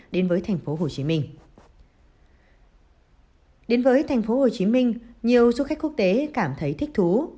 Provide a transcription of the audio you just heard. đến với tp hcm nhiều du khách quốc tế cảm thấy thích thú